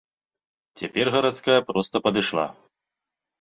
Цяпер гарадская проста падышла.